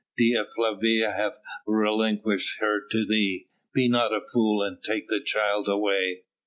Dea Flavia hath relinquished her to thee. Be not a fool and take the child away!"